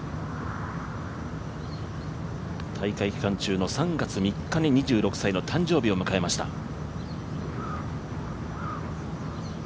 大会期間中の３月３日に２６歳の誕生日を迎えました。